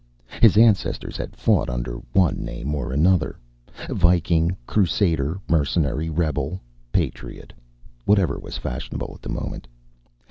His ancestors had fought under one name or another viking, Crusader, mercenary, rebel, patriot, whatever was fashionable at the moment.